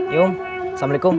iya om assalamualaikum